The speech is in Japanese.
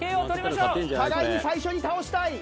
互いに最初に倒したい。